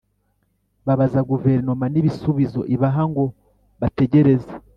Babaza Guverinoma n’ ibisubizo ibaha ngo bategereze